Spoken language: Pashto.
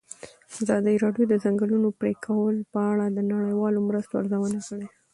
ازادي راډیو د د ځنګلونو پرېکول په اړه د نړیوالو مرستو ارزونه کړې.